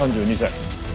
３２歳。